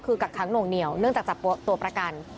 คือกักขังหน่วงเหนียวเนื่องจากจับตัวประกัน